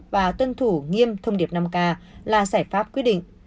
và tuân thủ nghiêm thông điệp năm k là giải pháp quyết định